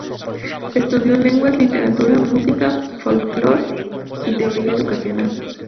Estudió lenguas, literatura, música, folclore y teoría educacional.